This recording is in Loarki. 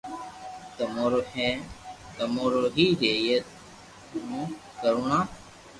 تمو رو ھي ھين تمو رو ھي رھئي تمو ڪروڻا